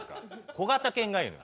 小型犬がいいのよ。